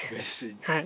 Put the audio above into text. はい。